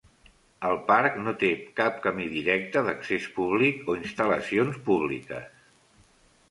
El parc no té cap camí directe d'accés públic o instal·lacions públiques.